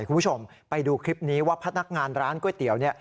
คุณผู้ชมไปดูคลิปนี้ว่าพนักงานร้านก๋วยเตี๋ยวเนี่ย